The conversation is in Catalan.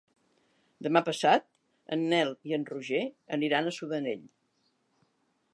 Demà passat en Nel i en Roger aniran a Sudanell.